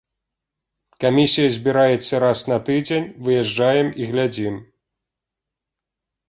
Камісія збіраецца раз на тыдзень, выязджаем і глядзім.